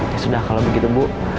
ya sudah kalau begitu bu